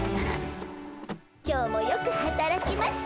今日もよくはたらきました。